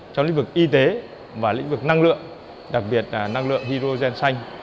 trong lĩnh vực y tế và lĩnh vực năng lượng đặc biệt là năng lượng hydrogen xanh